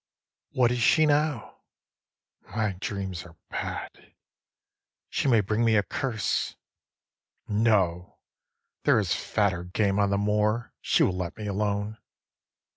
What is she now? My dreams are bad. She may bring me a curse. No, there is fatter game on the moor; she will let me alone.